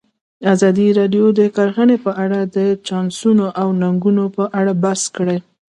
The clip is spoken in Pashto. ازادي راډیو د کرهنه په اړه د چانسونو او ننګونو په اړه بحث کړی.